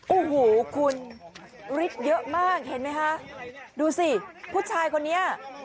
โอ้โหคุณฤทธิ์เยอะมากเห็นไหมคะดูสิผู้ชายคนนี้